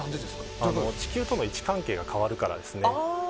地球との位置関係が変わるからですね。